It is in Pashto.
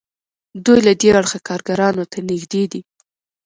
دوی له دې اړخه کارګرانو ته نږدې دي.